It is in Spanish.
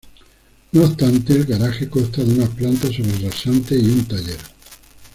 No obstante el garaje consta de una planta sobre rasante y un taller.